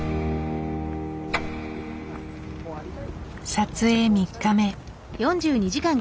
撮影３日目。